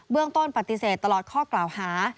เบื้องต้นปฏิเสธตลอดข้อกล่าวฮา